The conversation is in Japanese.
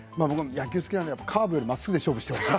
野球が好きなのでカーブよりまっすぐで勝負してほしい。